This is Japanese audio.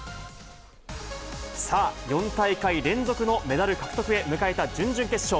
さあ、４大会連続のメダル獲得へ、迎えた準々決勝。